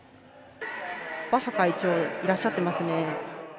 バッハ会長、いらっしゃってますね。